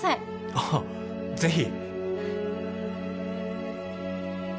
あっぜひ